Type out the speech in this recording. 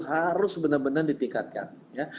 harus benar benar ditingkatkan